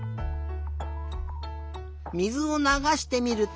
水をながしてみると。